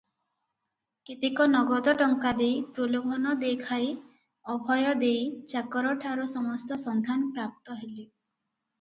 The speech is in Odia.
କେତେକ ନଗଦ ଟଙ୍କା ଦେଇ ପ୍ରଲୋଭନ ଦେଖାଇ ଅଭୟ ଦେଇ ଚାକରଠାରୁ ସମସ୍ତ ସନ୍ଧାନ ପ୍ରାପ୍ତ ହେଲେ ।